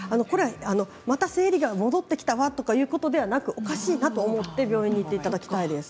生理が戻ってきたわということではなくおかしいと思って病院に行っていただきたいです。